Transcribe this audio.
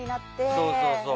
そうそう。